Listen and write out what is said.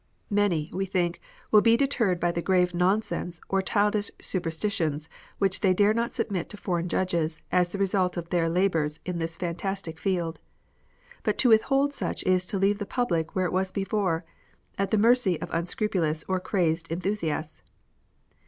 Many, we think, will be deterred by the grave nonsense or childish super stitions which they dare not submit to foreign judges as the result of their labours in this fantastic field ; but to withhold such is to leave the public where it was before, at the mercy of unscrupulous or crazed enthusiasts.